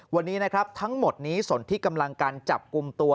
วันนี้นะครับทั้งหมดนี้ส่วนที่กำลังการจับกลุ่มตัว